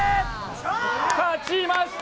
勝ちました！